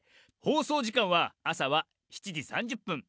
放送時間は、朝は７時３０分。